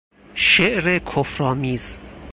شعر کفرآمیز